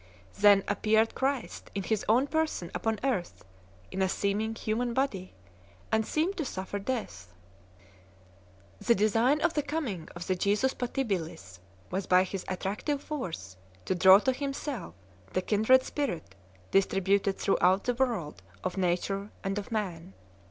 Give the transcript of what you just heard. Then appeared Christ in his own person upon earth, in a seeming human body, and seemed to suffer death. The design of the coming of the "Jesus patibilis " was by his attractive force to draw to himself the kindred spirit distributed throughout the world of nature and of man.